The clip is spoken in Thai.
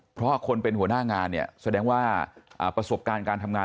เพราะคนเป็นหัวหน้างานเนี่ยแสดงว่าประสบการณ์การทำงาน